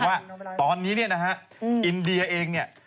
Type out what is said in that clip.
ว่าตอนนี้เนี่ยนะฮะอินเดียเองเนี่ย